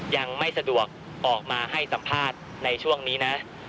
ยังไม่สะดวกออกมาให้สัมภาษณ์ในช่วงนี้นะ